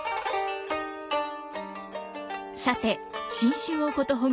さて新春をことほぐ